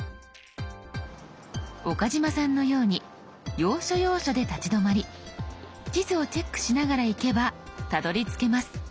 岡嶋さんのように要所要所で立ち止まり地図をチェックしながら行けばたどりつけます。